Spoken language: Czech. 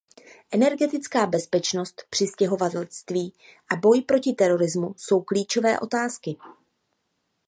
Energetická bezpečnost, přistěhovalectví a boj proti terorismu jsou klíčové otázky.